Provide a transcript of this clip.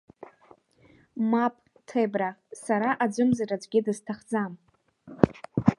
Мап, Ҭебра, сара аӡәымзар аӡәгьы дысҭахӡам…